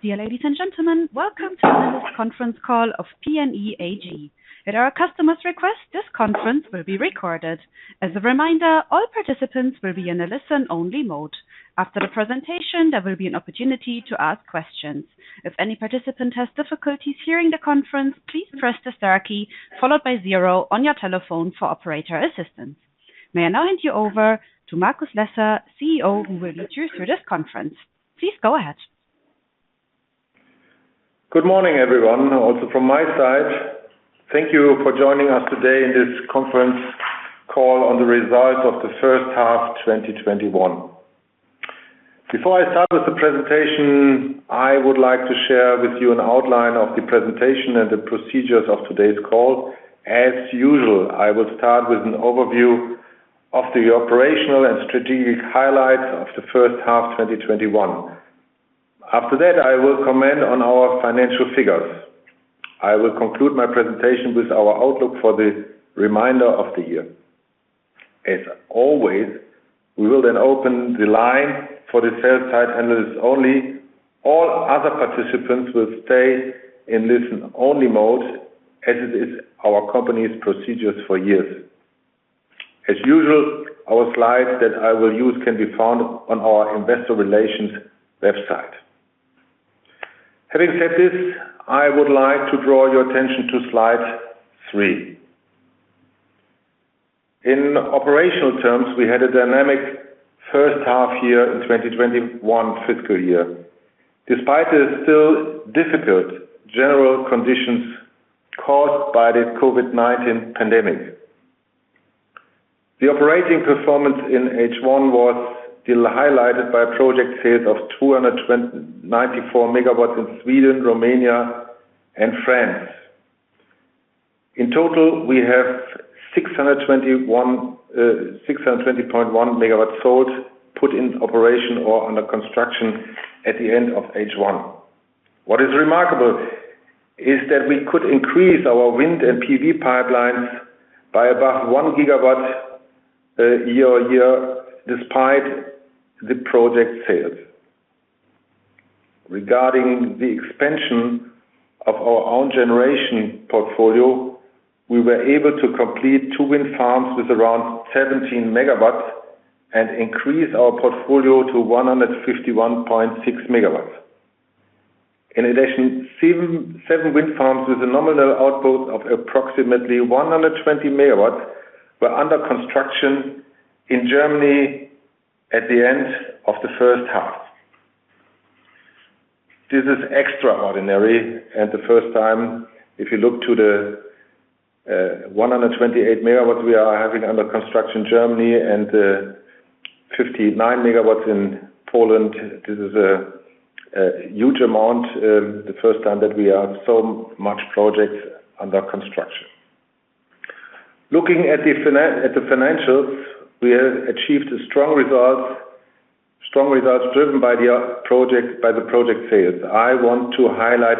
Dear ladies and gentlemen, welcome to today's conference call of PNE AG. At our customers' request, this conference will be recorded. As a reminder, all participants will be in a listen-only mode. After the presentation, there will be an opportunity to ask questions. If any participant has difficulties hearing the conference, please press the star key, followed by zero on your telephone for operator assistance. May I now hand you over to Markus Lesser, CEO, who will lead you through this conference. Please go ahead. Good morning, everyone, also from my side. Thank you for joining us today in this conference call on the Results of the First Half 2021. Before I start with the presentation, I would like to share with you an outline of the presentation and the procedures of today's call. As usual, I will start with an overview of the operational and strategic highlights of the first half 2021. After that, I will comment on our financial figures. I will conclude my presentation with our outlook for the remainder of the year. As always, we will then open the line for the sell-side analysts only. All other participants will stay in listen-only mode, as it is our company's procedure for years. As usual, our slides that I will use can be found on our investor relations website. Having said this, I would like to draw your attention to slide three. In operational terms, we had a dynamic first half year in 2021 fiscal year, despite the still difficult general conditions caused by the COVID-19 pandemic. The operating performance in H1 was highlighted by project sales of 294 MW in Sweden, Romania, and France. In total, we have 620.1 MW sold, put into operation or under construction at the end of H1. What is remarkable is that we could increase our wind and PV pipelines by above 1 GW year-over-year, despite the project sales. Regarding the expansion of our own generation portfolio, we were able to complete two wind farms with around 17 MW and increase our portfolio to 151.6 MW. In addition, seven wind farms with a nominal output of approximately 120 MW were under construction in Germany at the end of the first half. This is extraordinary and the first time, if you look to the 128 MW we are having under construction in Germany and the 59 MW in Poland, this is a huge amount. The first time that we have so much projects under construction. Looking at the financials, we have achieved strong results driven by the project sales. I want to highlight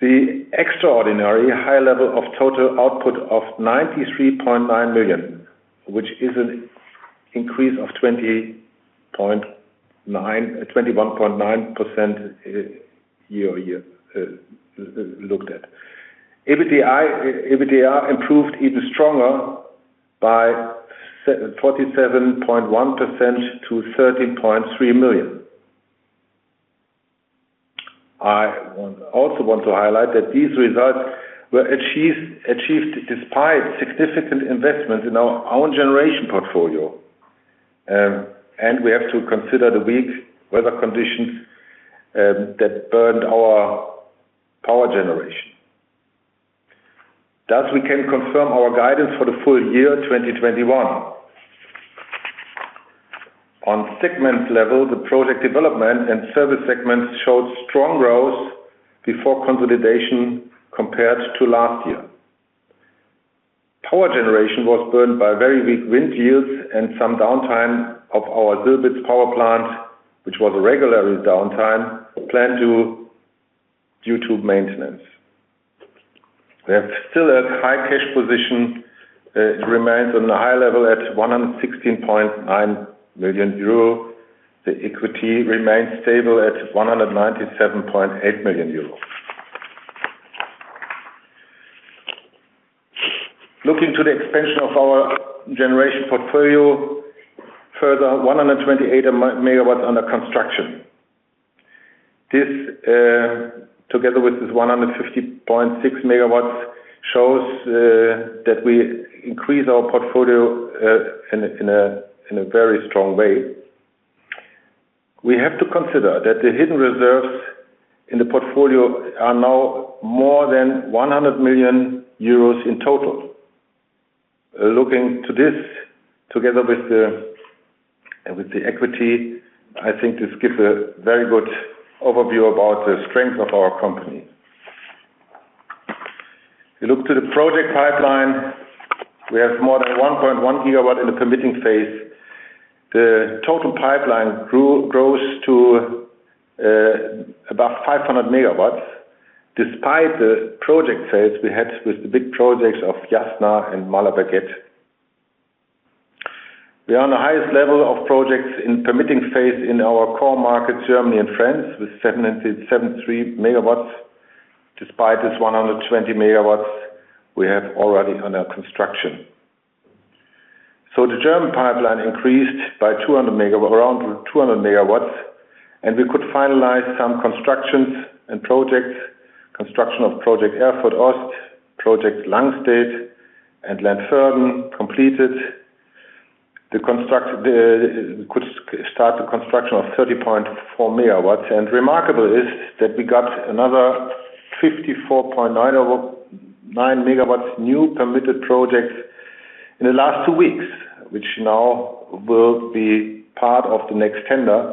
the extraordinarily high level of total output of 93.9 million, which is an increase of 21.9% year-over-year looked at. EBITDA improved even stronger by 47.1% to EUR 13.3 million. I also want to highlight that these results were achieved despite significant investments in our own generation portfolio, and we have to consider the weak weather conditions that burned our power generation. Thus, we can confirm our guidance for the full year 2021. On segment level, the project development and service segments showed strong growth before consolidation compared to last year. Power generation was burdened by very weak wind yields and some downtime of our Silbitz power plant, which was a regular downtime planned due to maintenance. We have still a high cash position. It remains on the high level at 116.9 million euro. The equity remains stable at 197.8 million euro. Looking to the expansion of our generation portfolio, further 128 MW under construction. This, together with this 150.6 MW, shows that we increase our portfolio in a very strong way. We have to consider that the hidden reserves in the portfolio are now more than 100 million euros in total. Looking to this, together with the equity, I think this gives a very good overview about the strength of our company. We look to the project pipeline. We have more than 1.1 GW in the permitting phase. The total pipeline grows to above 500 MW. Despite the project sales we had with the big projects of Jasna and Målarberget, we are on the highest level of projects in permitting phase in our core market, Germany and France, with 773 MW, despite this 120 MW we have already under construction. The German pipeline increased by around 200 MW, and we could finalize some constructions and projects, construction of Project Erfurt Ost, Project Langstedt and Lentföhrden completed. We could start the construction of 30.4 MW, and remarkable is that we got another 54.9 MW new permitted projects in the last two weeks, which now will be part of the next tender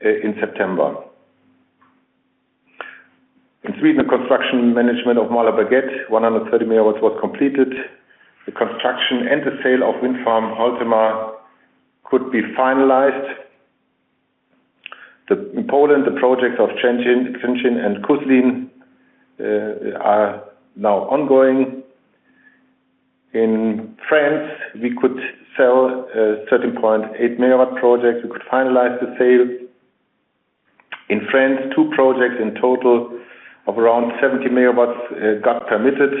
in September. In Sweden, the construction management of Målarberget, 130 MW was completed. The construction and the sale of Wind Farm Hultema could be finalized. In Poland, the projects of Krzecin and Kuślin are now ongoing. In France, we could sell a 13.8 MW project, we could finalize the sale. In France, two projects in total of around 70 MW got permitted,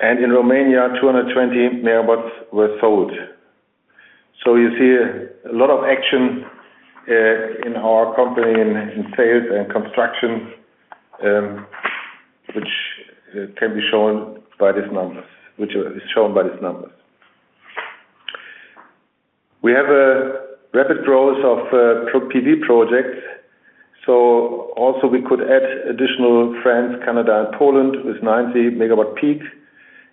and in Romania, 220 MW were sold. You see a lot of action in our company in sales and construction, which is shown by these numbers. We have a rapid growth of PV projects, so also we could add additional France, Canada, and Poland with 90 MW peak.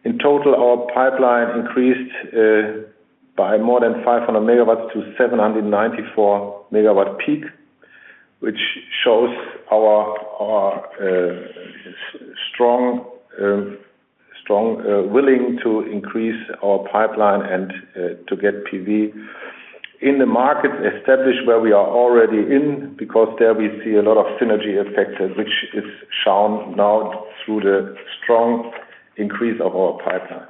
In total, our pipeline increased by more than 500 MW to 794 MW peak, which shows our strong willing to increase our pipeline and to get PV in the market established where we are already in, because there we see a lot of synergy effects, which is shown now through the strong increase of our pipeline.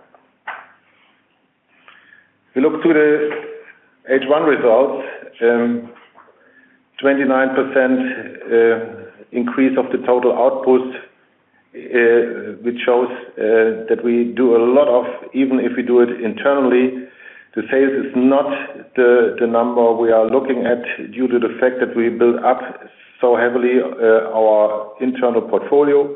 We look to the H1 results, 29% increase of the total output, which shows that we do a lot of, even if we do it internally, the sales is not the number we are looking at due to the fact that we build up so heavily our internal portfolio.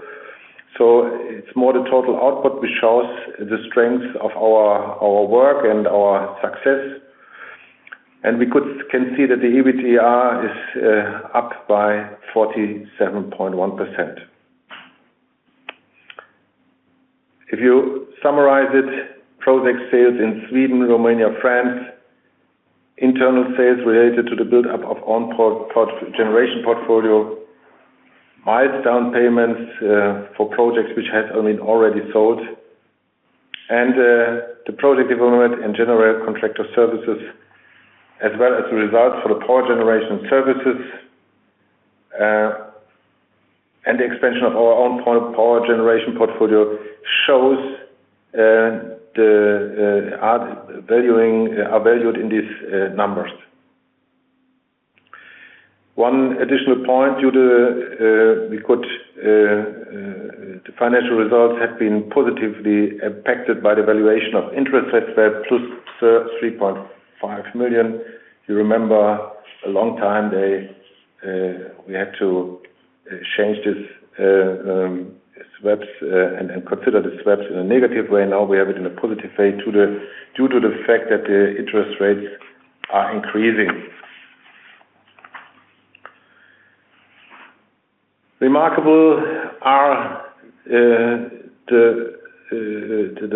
It's more the total output which shows the strength of our work and our success. We can see that the EBITDA is up by 47.1%. If you summarize it, project sales in Sweden, Romania, France, internal sales related to the build-up of own power generation portfolio, milestone payments for projects which had been already sold, and the project development and general contractor services, as well as the results for the power generation services, and the expansion of our own power generation portfolio are valued in these numbers. One additional point, the financial results have been positively impacted by the valuation of interest rate swaps plus 3.5 million. You remember a long time we had to change this swaps and consider the swaps in a negative way. Now we have it in a positive way due to the fact that the interest rates are increasing. Remarkable are the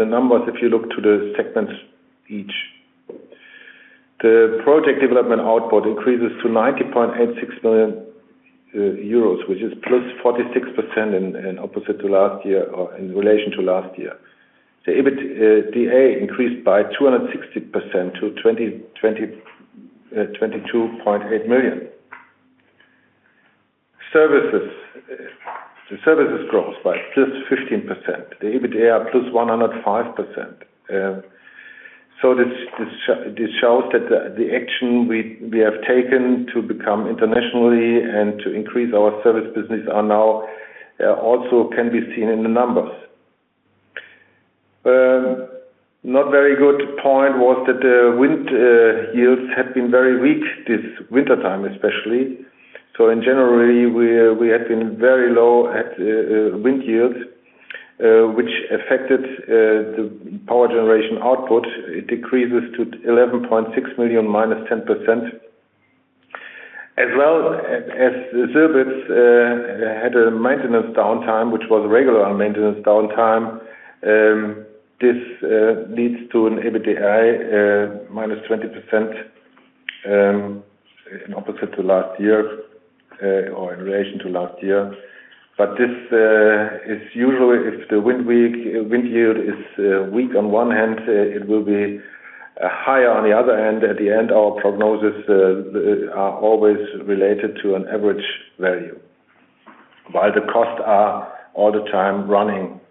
numbers if you look to the segments each. The project development output increases to 90.86 million euros, which is +46% in relation to last year. The EBITDA increased by 260% to EUR 22.8 million. Services grows by +15%. The EBITDA +105%. This shows that the action we have taken to become internationally and to increase our service business also can be seen in the numbers. Not very good point was that the wind yields have been very weak this wintertime, especially. In January, we had been very low at wind yields, which affected the power generation output. It decreases to 11.6 million, -10%. As well as Silbitz had a maintenance downtime, which was regular maintenance downtime. This leads to an EBITDA -20% in relation to last year. This is usually if the wind yield is weak on one hand, it will be higher on the other hand. At the end, our prognoses are always related to an average value. While the costs are all the time running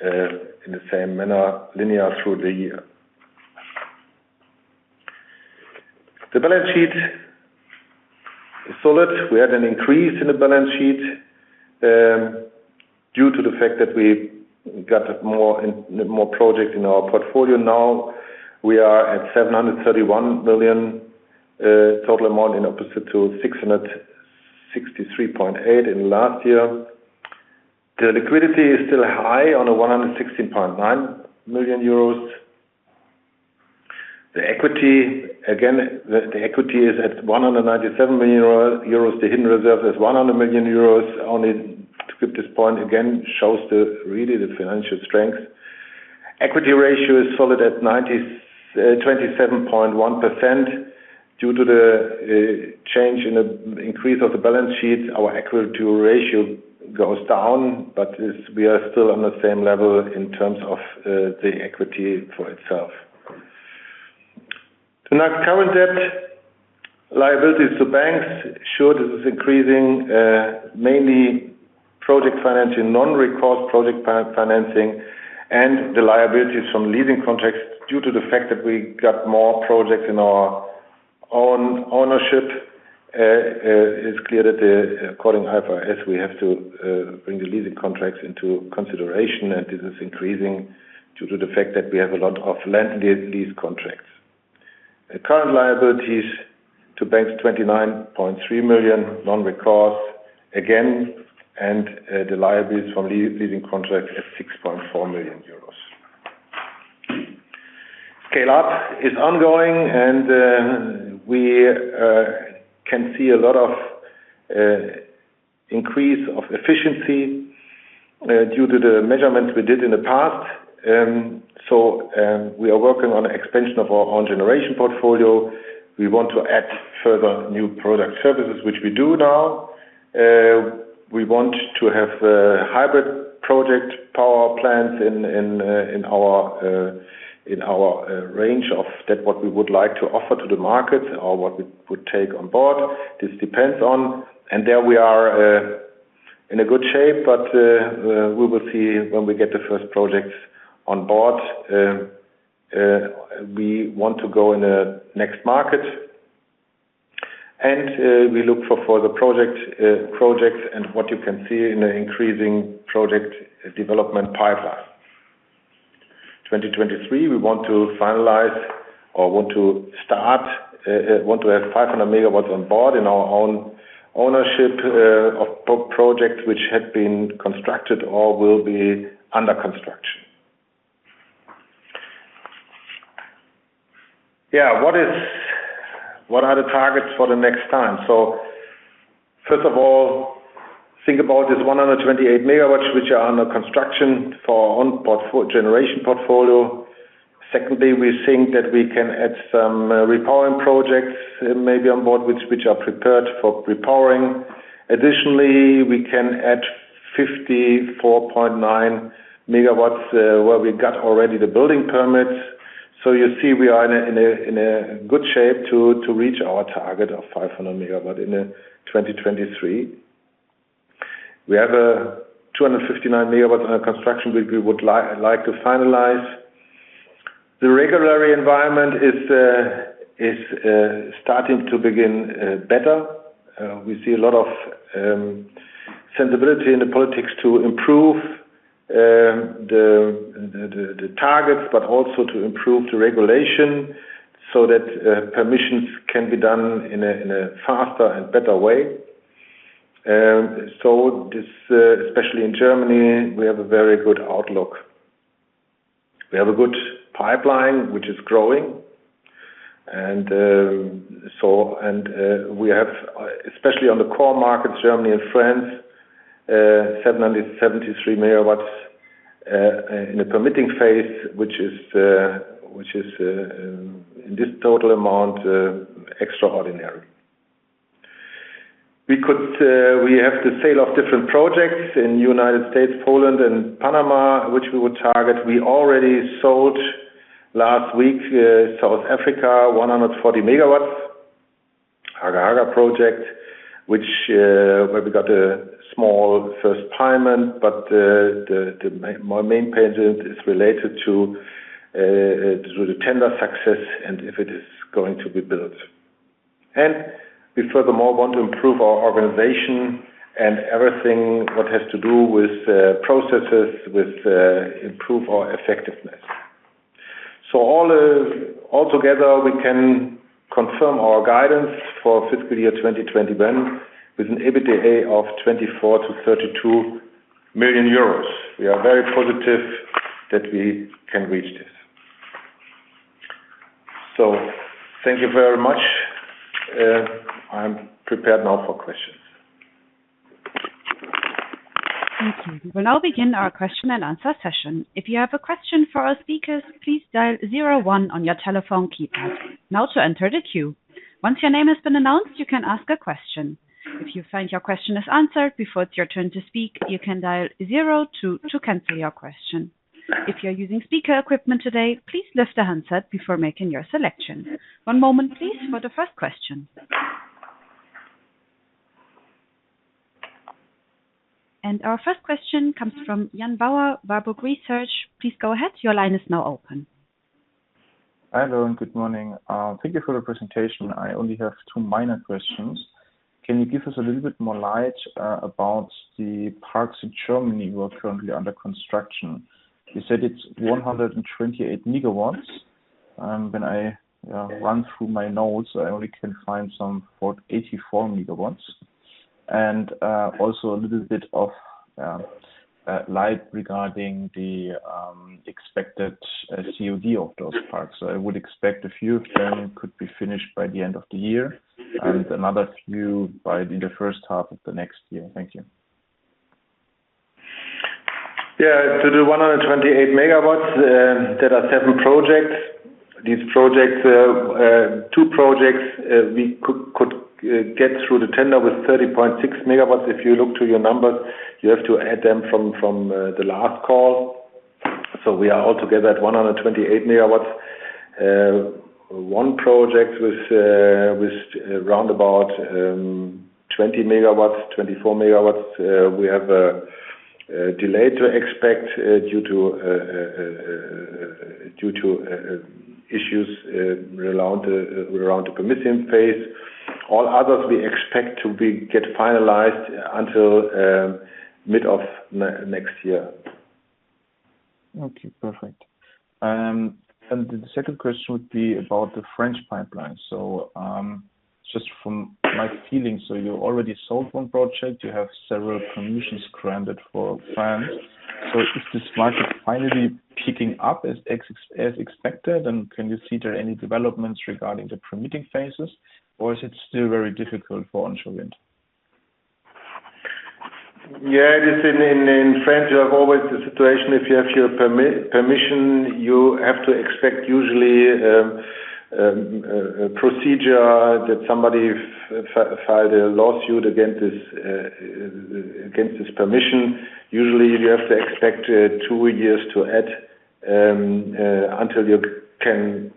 in the same manner, linear through the year. The balance sheet is solid. We had an increase in the balance sheet due to the fact that we got more projects in our portfolio. Now we are at 731 million, total amount in opposite to 663.8 million in last year. The liquidity is still high on a 116.9 million euros. The equity, again, the equity is at 197 million euro. The hidden reserve is 100 million euros on it. To give this point again, shows really the financial strength. Equity ratio is solid at 27.1%. Due to the change in the increase of the balance sheets, our equity ratio goes down, but we are still on the same level in terms of the equity for itself. The net current debt liabilities to banks showed this is increasing, mainly project financing, non-recourse project financing, and the liabilities from leasing contracts due to the fact that we got more projects in our own ownership. It's clear that according to IFRS, we have to bring the leasing contracts into consideration, and this is increasing due to the fact that we have a lot of land lease contracts. The current liabilities to banks, 29.3 million non-recourse, again, and the liabilities from leasing contracts at 6.4 million euros. Scale-up is ongoing, we can see a lot of increase of efficiency due to the measurements we did in the past. We are working on expansion of our own generation portfolio. We want to add further new product services, which we do now. We want to have hybrid project power plants in our range of that what we would like to offer to the market or what we would take on board. This depends on, and there we are in a good shape, but we will see when we get the first projects on board. We want to go in the next market. We look for further projects and what you can see in an increasing project development pipeline. 2023, we want to finalize or want to have 500 MW on board in our own ownership of projects which have been constructed or will be under construction. What are the targets for the next time? First of all, think about this 128 MW which are under construction for our own generation portfolio. Secondly, we think that we can add some repowering projects maybe on board, which are prepared for repowering. Additionally, we can add 54.9 MW, where we got already the building permits. You see, we are in a good shape to reach our target of 500 MW in 2023. We have 259 MW under construction, which we would like to finalize. The regulatory environment is starting to begin better. We see a lot of sensitivity in the politics to improve the targets, but also to improve the regulation so that permissions can be done in a faster and better way. Especially in Germany, we have a very good outlook. We have a good pipeline, which is growing. We have, especially on the core market, Germany and France, 773 MW in the permitting phase, which is, this total amount, extraordinary. We have the sale of different projects in the United States, Poland and Panama, which we would target. We already sold last week, South Africa, 140 MW, Haga Haga project, where we got a small first payment, but the main payment is related to the tender success and if it is going to be built. We furthermore want to improve our organization and everything what has to do with processes, to improve our effectiveness. Altogether, we can confirm our guidance for fiscal year 2021 with an EBITDA of 24 million-32 million euros. We are very positive that we can reach this. Thank you very much. I'm prepared now for questions. Thank you. We'll now begin our question and answer session. If you have a question for our speakers, please dial zero one on your telephone keypad. Now to enter the queue. Once your name has been announced, you can ask a question. If you find your question is answered before it's your turn to speak, you can dial zero two to cancel your question. If you are using speaker equipment today, please lift the handset before making your selection. One moment please for the first question. Our first question comes from Jan Bauer, Warburg Research. Please go ahead. Your line is now open. Hi there. Good morning. Thank you for the presentation. I only have two minor questions. Can you give us a little bit more light about the parks in Germany who are currently under construction? You said it's 128 MW. When I run through my notes, I only can find some 84 MW. Also a little bit of light regarding the expected COD of those parks. I would expect a few of them could be finished by the end of the year, and another few by the first half of the next year. Thank you. Yeah. To the 128 MW, there are seven projects. Two projects, we could get through the tender with 30.6 MW. If you look to your numbers, you have to add them from the last call. We are all together at 128 MW. One project with round about 20 MW, 24 MW, we have a delay to expect due to issues around the permission phase. All others we expect to get finalized until mid of next year. Okay, perfect. The second question would be about the French pipeline. Just from my feeling, you already sold one project. You have several permissions granted for France. Is this market finally picking up as expected? Can you see there are any developments regarding the permitting phases, or is it still very difficult for onshore wind? This in France, you have always the situation, if you have your permission, you have to expect usually a procedure that somebody filed a lawsuit against this permission. Usually, you have to expect two years to add until you can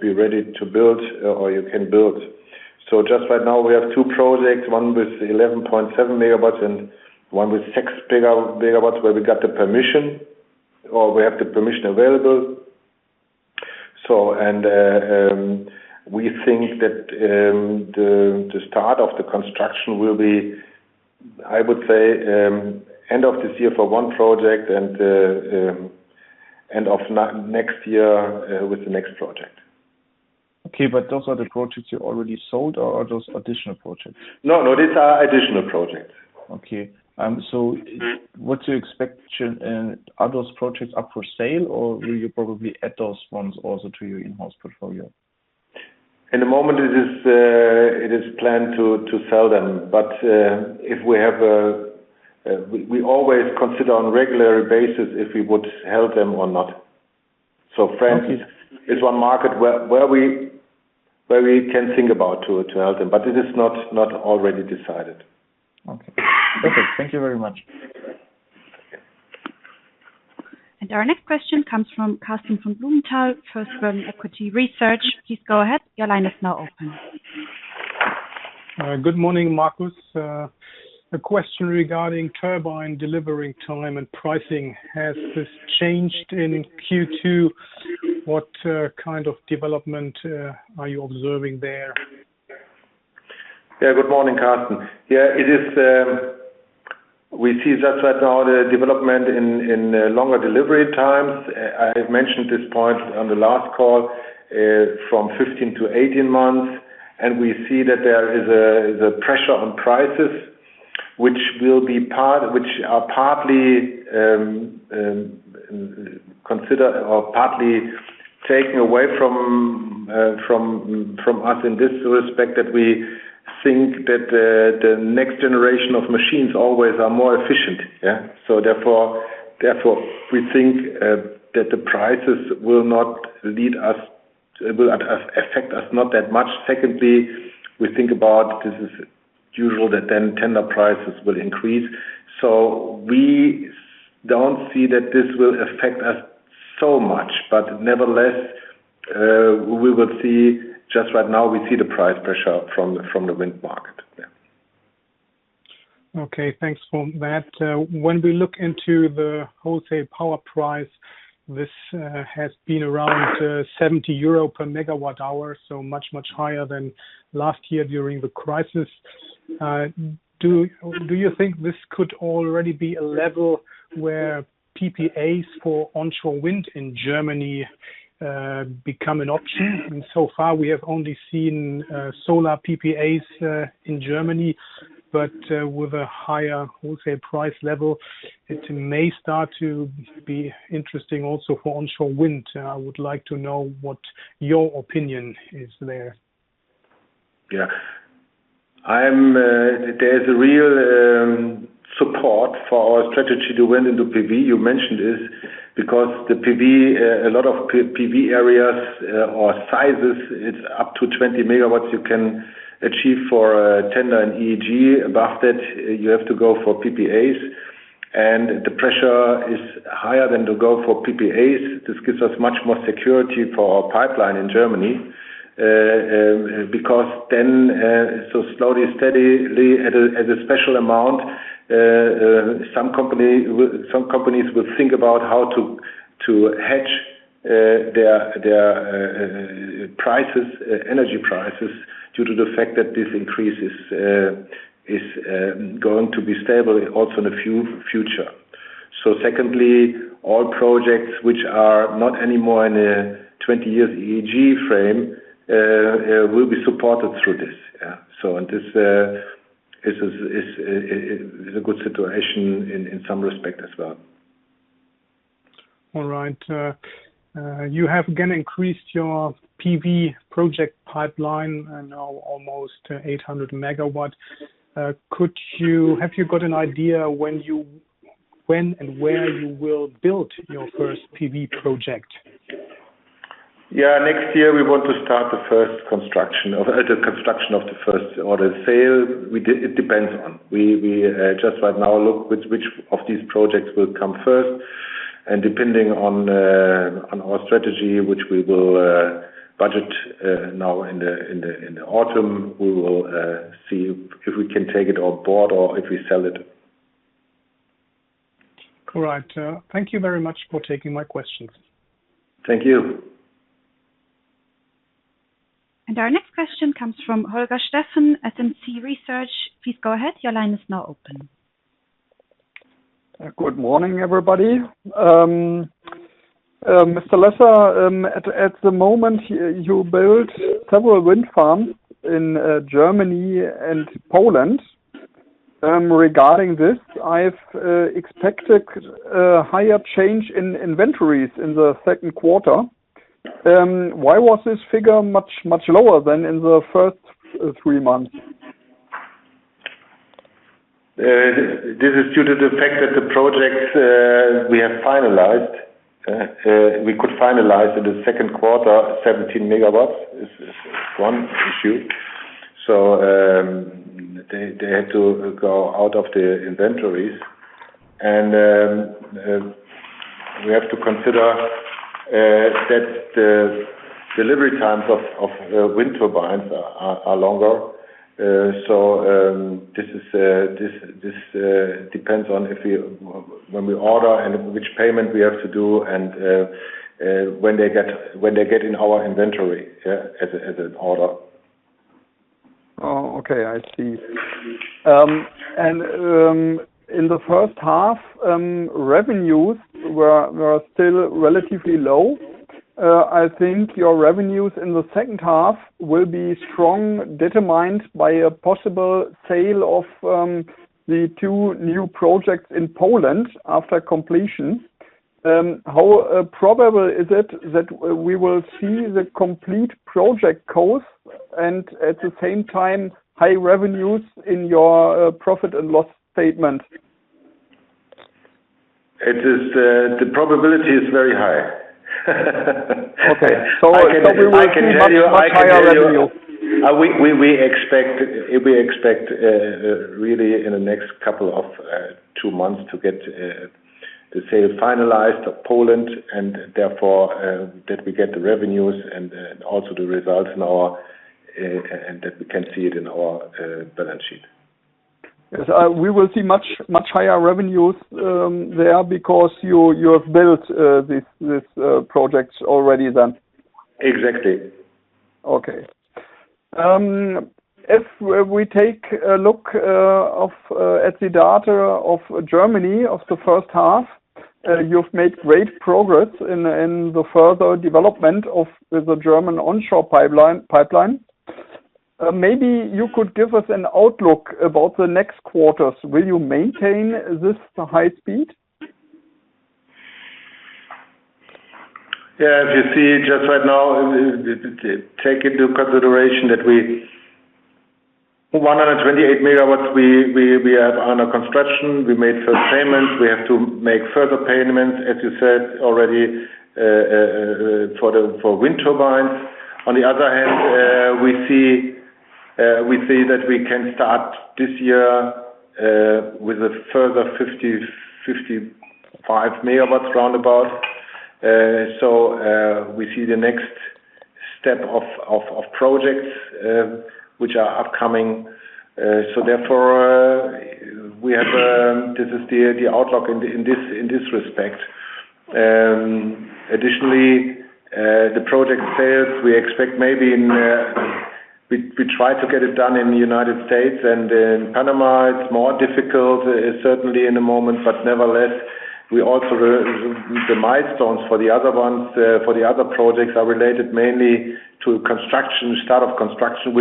be ready to build or you can build. Just right now, we have two projects, one with 11.7 MW and one with 6 MW, where we got the permission, or we have the permission available. We think that the start of the construction will be, I would say, end of this year for one project and end of next year with the next project. Okay. Those are the projects you already sold, or are those additional projects? No, these are additional projects. Okay. What's your expectation, are those projects up for sale, or will you probably add those ones also to your in-house portfolio? At the moment, it is planned to sell them. We always consider on regular basis if we would held them or not. France is one market where we can think about to held them, but it is not already decided. Okay. Perfect. Thank you very much. Our next question comes from Karsten von Blumenthal, First Berlin Equity Research. Please go ahead. Your line is now open. Good morning, Markus. A question regarding turbine delivery time and pricing. Has this changed in Q2? What kind of development are you observing there? Good morning, Karsten. We see that right now, the development in longer delivery times. I have mentioned this point on the last call, from 15 to 18 months, and we see that there is a pressure on prices, which are partly taken away from us in this respect, that we think that the next generation of machines always are more efficient. Therefore, we think that the prices will affect us not that much. Secondly, we think about this is usual that then tender prices will increase. We don't see that this will affect us so much. Nevertheless, we will see just right now, we see the price pressure from the wind market. Okay, thanks for that. When we look into the wholesale power price, this has been around 70 euro per MWh, so much, much higher than last year during the crisis. Do you think this could already be a level where PPAs for onshore wind in Germany become an option? So far, we have only seen solar PPAs in Germany, but with a higher wholesale price level, it may start to be interesting also for onshore wind. I would like to know what your opinion is there. Yeah. There is a real support for our strategy to wind into PV, you mentioned this, because a lot of PV areas or sizes, it is up to 20 MW you can achieve for a tender in EEG. Above that, you have to go for PPAs. The pressure is higher than the goal for PPAs. This gives us much more security for our pipeline in Germany, because then, so slowly, steadily, at a special amount, some companies will think about how to hedge their energy prices due to the fact that this increase is going to be stable also in the future. Secondly, all projects which are not anymore in a 20 years EEG frame, will be supported through this. Yeah. This is a good situation in some respect as well. All right. You have again increased your PV project pipeline and now almost 800 MW. Have you got an idea when and where you will build your first PV project? Yeah. Next year, we want to start the construction of the first order sale. It depends. We just right now look which of these projects will come first, and depending on our strategy, which we will budget now in the autumn, we will see if we can take it on board or if we sell it. Correct. Thank you very much for taking my questions. Thank you. Our next question comes from Holger Steffen, SMC Research. Please go ahead. Your line is now open. Good morning, everybody. Mr. Lesser, at the moment, you build several wind farms in Germany and Poland. Regarding this, I've expected a higher change in inventories in the second quarter. Why was this figure much lower than in the first three months? This is due to the fact that the projects we could finalize in the second quarter, 17 MW is one issue. They had to go out of the inventories. We have to consider that the delivery times of wind turbines are longer. This depends on when we order and which payment we have to do, and when they get in our inventory as an order. Oh, okay. I see. In the first half, revenues were still relatively low. I think your revenues in the second half will be strong, determined by a possible sale of the two new projects in Poland after completion. How probable is it that we will see the complete project cost and at the same time, high revenues in your profit and loss statement? The probability is very high. Okay. We will see much higher revenue. We expect really in the next couple of two months to get the sale finalized of Poland and therefore, that we get the revenues and also the results and that we can see it in our balance sheet. Yes. We will see much higher revenues there because you have built these projects already then. Exactly. If we take a look at the data of Germany of the first half, you've made great progress in the further development of the German onshore pipeline. Maybe you could give us an outlook about the next quarters. Will you maintain this high speed? Yeah, as you see just right now, take into consideration that 128 MW we have under construction. We made first payment. We have to make further payments, as you said already, for wind turbines. On the other hand, we see that we can start this year, with a further 55 MW roundabout. We see the next step of projects which are upcoming. Therefore, this is the outlook in this respect. Additionally, the project sales, we try to get it done in the United States and in Panama. It's more difficult, certainly in the moment. Nevertheless, the milestones for the other projects are related mainly to start of construction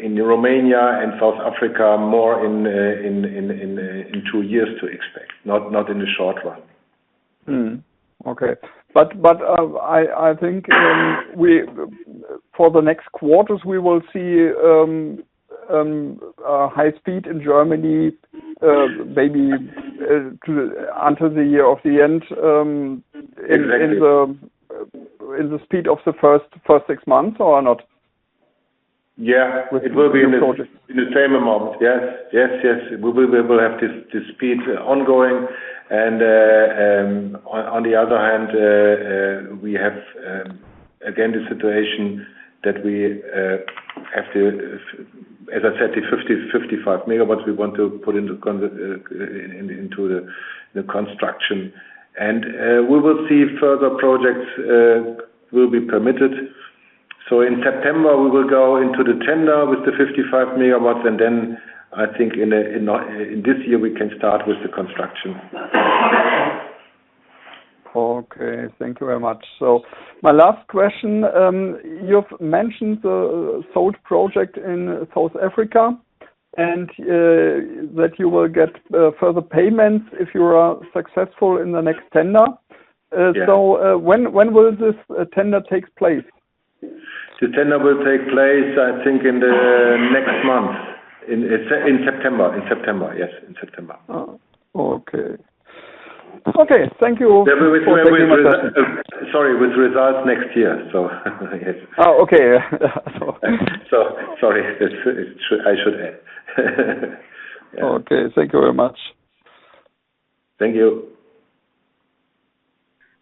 in Romania and South Africa, more in two years to expect, not in the short run. Okay. I think for the next quarters, we will see high speed in Germany, maybe until the year of the end. Exactly In the speed of the first six months or not? Yeah. It will be in the same amount. Yes. We will have this speed ongoing and on the other hand, we have again, the situation that we have to, as I said, the 55 MW we want to put into the construction. We will see if further projects will be permitted. In September, we will go into the tender with the 55 MW, and then I think in this year, we can start with the construction. Okay. Thank you very much. My last question, you've mentioned the sold project in South Africa and that you will get further payments if you are successful in the next tender. Yes. When will this tender take place? The tender will take place, I think, in the next month. In September, yes. Oh, okay. Thank you. Sorry, with results next year, yes. Oh, okay. Yeah. Sorry. I should add. Okay. Thank you very much. Thank you.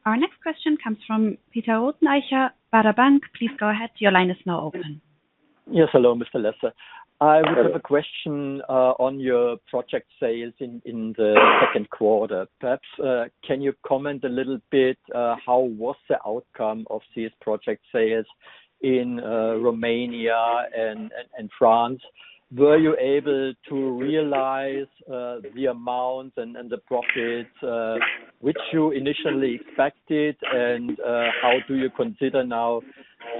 Our next question comes from Peter Rothenaicher, Baader Bank. Please go ahead. Your line is now open. Yes. Hello, Mr. Lesser. Hello. I have a question on your project sales in the second quarter. Perhaps, can you comment a little bit, how was the outcome of these project sales in Romania and France? Were you able to realize the amounts and the profits which you initially expected and how do you consider now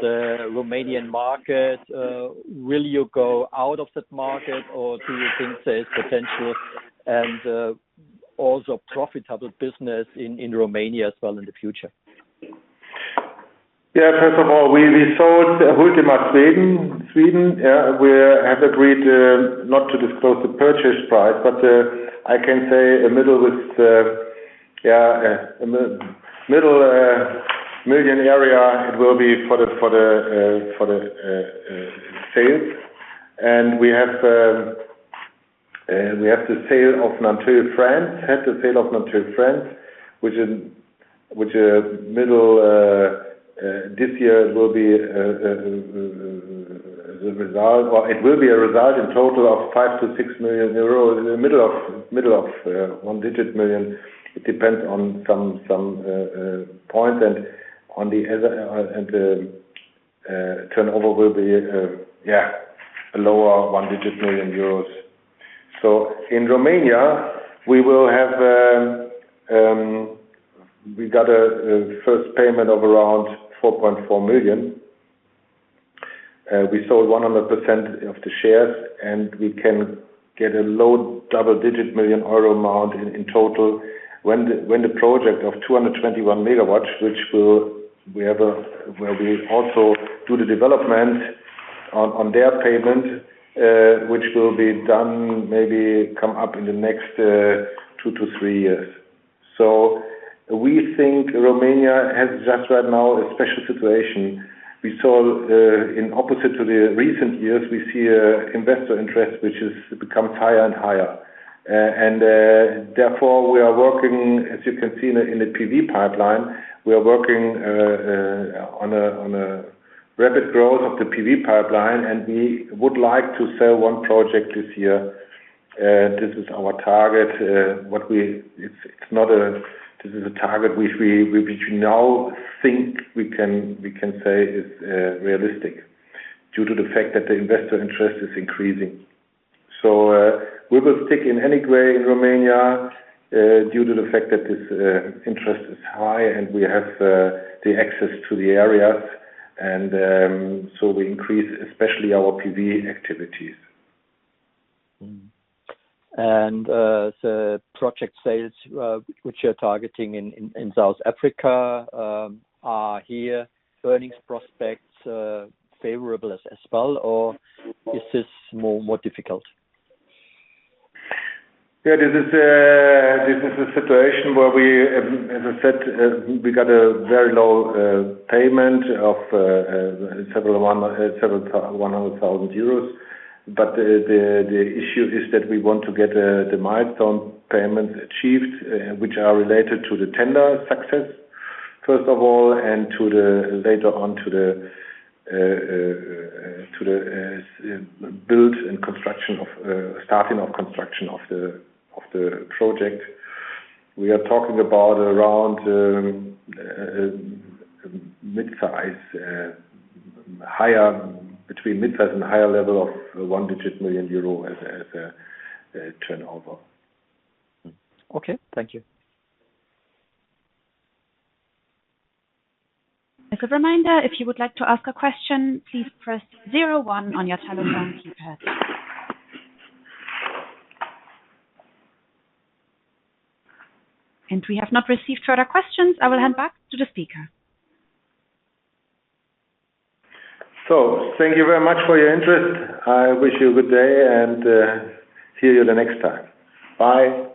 the Romanian market? Will you go out of that market, or do you think there's potential and also profitable business in Romania as well in the future? First of all, we sold Hultema Sweden. We have agreed not to disclose the purchase price. I can say a middle million EUR area, it will be for the sales. We have the sale of Nanteuil France. This year it will be a result in total of 5 million-6 million, in the middle of one-digit million. It depends on some point. The turnover will be a lower 1 million euros. In Romania, we got a first payment of around 4.4 million. We sold 100% of the shares. We can get a low double-digit million EUR amount in total when the project of 221 MW, where we also do the development on their payment, which will be done, maybe come up in the next two to three years. We think Romania has just right now a special situation. Opposite to the recent years, we see investor interest, which becomes higher and higher. Therefore, we are working, as you can see in the PV pipeline, we are working on a rapid growth of the PV pipeline, and we would like to sell one project this year. This is our target, which we now think we can say is realistic due to the fact that the investor interest is increasing. We will stick in any way in Romania due to the fact that this interest is high and we have the access to the areas. We increase, especially our PV activities. The project sales which you're targeting in South Africa, are here earnings prospects favorable as well, or is this more difficult? Yeah. This is a situation where we, as I said, we got a very low payment of several 100,000 euros. The issue is that we want to get the milestone payment achieved, which are related to the tender success, first of all, and later on to the build and starting of construction of the project. We are talking about around midsize, between midsize and higher level of 1 million euro as a turnover. Okay. Thank you. As a reminder, if you would like to ask a question, please press zero one on your telephone keypad. We have not received further questions. I will hand back to the speaker. Thank you very much for your interest. I wish you a good day, and see you the next time. Bye.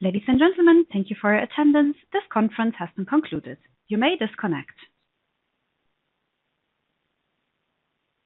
Ladies and gentlemen, thank you for your attendance. This conference has been concluded. You may disconnect.